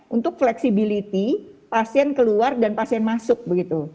untuk fleksibilitas pasien keluar dan pasien masuk begitu